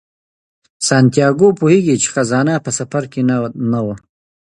سانتیاګو پوهیږي چې خزانه په سفر کې نه وه.